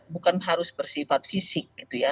bukan harus bersifat fisik gitu ya